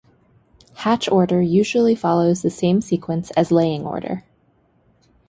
Hatch order usually follows the same sequence as laying order.